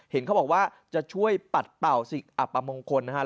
เห็นเขาบอกว่าจะช่วยปัดเป่าสิ่งอัปมงคลนะครับ